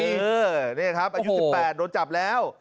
นี่แหละครับอายุ๑๘ปีโดยจับแล้ว